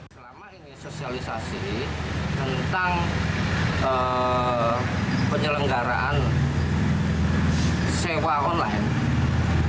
selama ini sosialisasi tentang penyelenggaraan sewa online